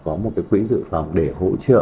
có một cái quỹ giữ phòng để hỗ trợ